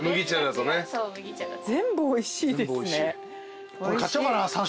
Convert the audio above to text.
全部おいしいですね。